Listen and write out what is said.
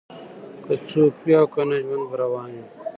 که څوک وي او کنه ژوند به روان وي